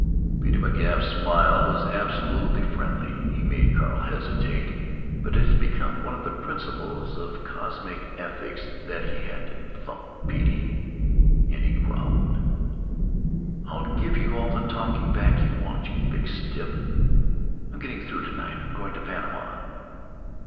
Petey McGuff's smile was absolutely friendly. It made Carl hesitate, but it had become one of the principles of cosmic ethics that he had to thump Petey, and he growled: "I'll give you all the talking back you want, you big stiff. I'm getting through to night. I'm going to Panama."